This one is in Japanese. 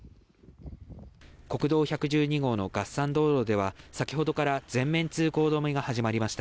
国道１１２号の月山道路では先ほどから全面通行止めが始まりました。